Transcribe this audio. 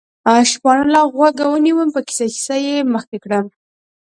شپانه له غوږه ونیوم، په کیسه کیسه یې مخکې کړم.